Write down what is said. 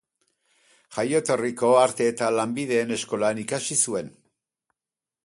Jaioterriko Arte eta Lanbideen Eskolan ikasi zuen.